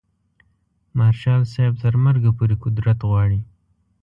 مارشال صاحب تر مرګه پورې قدرت غواړي.